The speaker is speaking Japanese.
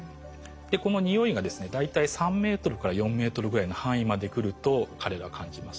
この匂いがですね大体３ｍから４ｍぐらいの範囲まで来ると彼らは感じます。